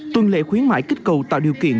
tuần lệ khuyến mãi kích cầu tạo điều kiện